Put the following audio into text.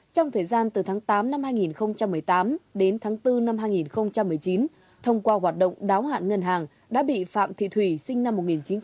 trong thời gian từ tháng tám năm hai nghìn một mươi tám đến tháng bốn năm hai nghìn một mươi chín thông qua hoạt động đáo hạn ngân hàng đã bị phạm thị thủy sinh năm một nghìn chín trăm tám mươi